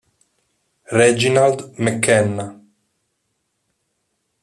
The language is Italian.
Reginald McKenna